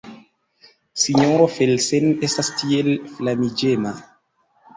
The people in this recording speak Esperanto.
Sinjoro Felsen estas tiel flamiĝema.